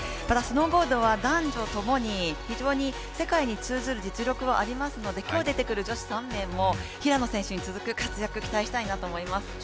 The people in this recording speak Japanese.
ただスノーボードは男女ともに非常に世界に通ずる実力はありますので今日出てくる女子３名も平野選手に続く活躍、期待したいなと思います。